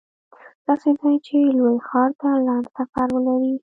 داسې ځای چې لوی ښار ته لنډ سفر ولري